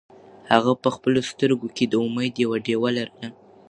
هغه په خپلو سترګو کې د امید یوه ډېوه لرله.